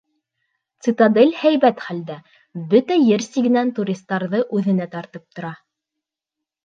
Цитадель һәйбәт хәлдә, бөтә ер сигенән туристарҙы үҙенә тартып тора.